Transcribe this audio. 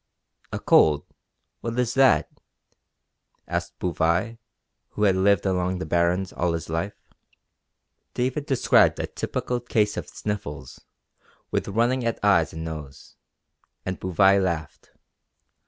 "A cold what is that?" asked Bouvais, who had lived along the Barrens all his life. David described a typical case of sniffles, with running at eyes and nose, and Bouvais laughed.